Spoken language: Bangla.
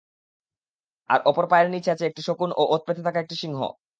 আর অপর পায়ের নিচে আছে একটি শকুন ও ওঁৎ পেতে থাকা একটি সিংহ।